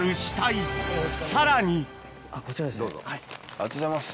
ありがとうございます。